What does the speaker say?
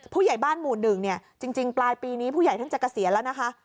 ผู้ใหญ่บ้านหมู่หนึ่งเนี่ยจริงปลายปีนี้ผู้ใหญ่ท่านจะเกษียณแล้วนะคะ